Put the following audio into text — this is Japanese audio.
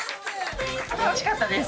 楽しかったです。